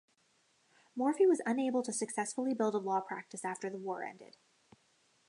Morphy was unable to successfully build a law practice after the war ended.